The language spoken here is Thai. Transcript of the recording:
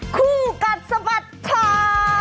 ครูกัดสบัติคร้าว